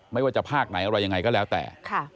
ไม่ว่าจะภาคไหนอะไรยังไงก็แล้วแต่